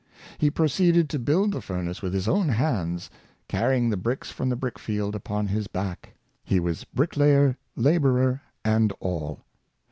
He proceeded to build the furnace with his own hands, carrying the bricks from the brickfield upon his back. He was bricklayer, laborer and all.